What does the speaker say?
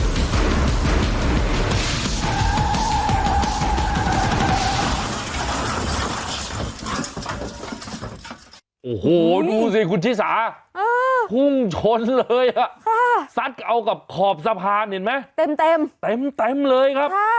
โอ้โหดูสิคุณชิสาพุ่งชนเลยอ่ะซัดเอากับขอบสะพานเห็นไหมเต็มเต็มเลยครับ